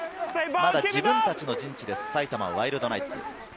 自分たちの陣地です、埼玉ワイルドナイツ。